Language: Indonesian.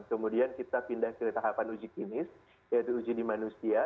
kemudian kita pindah ke tahapan uji klinis yaitu uji di manusia